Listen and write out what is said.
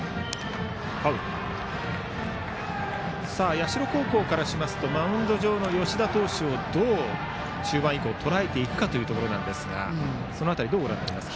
社高校からしますとマウンド上の吉田投手をどう中盤以降とらえていくかですがその辺りどうご覧になりますか。